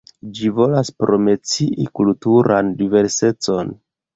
Ĝi volas promocii kulturan diversecon.